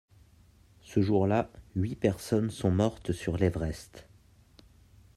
Ce jour-là, huit personnes sont mortes sur l'Everest.